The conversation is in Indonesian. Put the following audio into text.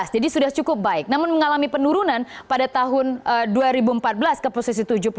jadi sudah cukup baik namun mengalami penurunan pada tahun dua ribu empat belas ke posisi tujuh puluh satu